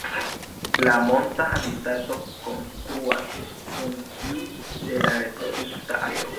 La monta habitato kongruas kun tiu de la reprodukta areo.